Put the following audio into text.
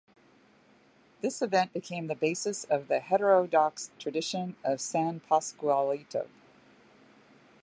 This event became the basis of the heterodox tradition of San Pascualito.